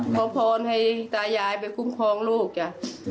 ขอพรให้ตายายไปคุ้มครองลูกจ้ะ